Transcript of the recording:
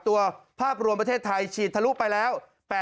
ตัวภาพรวมประเทศไทยฉีดทะลุไปแล้ว